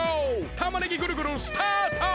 たまねぎぐるぐるスタート！